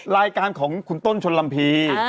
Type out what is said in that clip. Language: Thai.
รายการของคุณต้นชนลัมภีร์